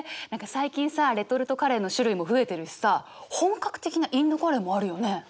何か最近さレトルトカレーの種類も増えてるしさ本格的なインドカレーもあるよね。